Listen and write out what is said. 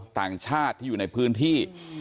ต่างชาติที่อยู่ในพื้นที่